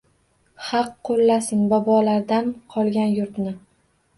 Haq qoʻllasin, bobolardan qolgan yurtni